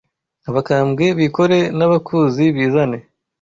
Abakambwe bikore N’abakuzi bizane